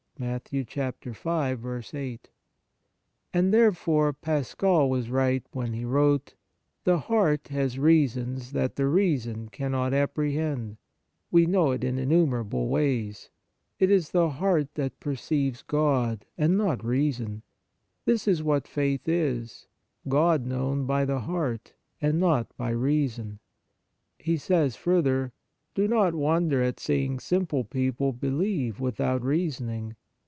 "* And there fore Pascal was right when he wrote :" The heart has reasons that the reason cannot apprehend : we know it in innumerable ways. ... It is the heart that perceives God, and not reason. This is what faith is : God known by the heart, and not by reason."! He says further :" Do not wonder at seeing simple people be lieve without reasoning.